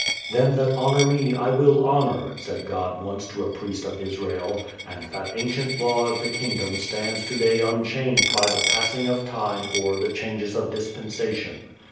"Them that honour me I will honour," said God once to a priest of Israel, and that ancient law of the Kingdom stands today unchanged by the passing of time or the changes of dispensation.